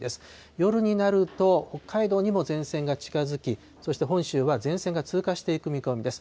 夜になると、北海道にも前線が近づき、そして本州は前線が通過していく見込みです。